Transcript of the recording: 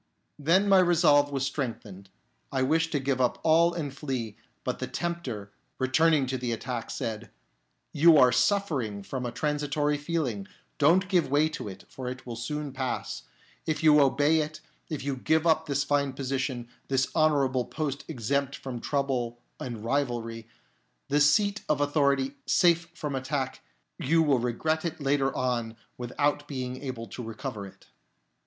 " Then my resolve was strengthened, I wished to give up all and flee ; but the Tempter, returning to the attack, said, " You are suffering from a transitory feeling ; don't give way to it, for it will soon pass. If you obey it, if you give up this fine position, this honourable post exempt from trouble and rivalry, this seat of authority safe from attack, you will regret it later on without being able to recover it."